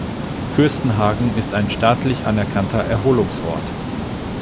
Fürstenhagen ist ein staatlich anerkannter Erholungsort.